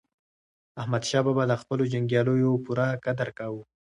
احمدشاه بابا د خپلو جنګیالیو پوره قدر کاوه.